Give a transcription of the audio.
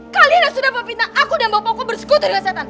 kalian sudah meminta aku dan bapakku bersekutu dengan setan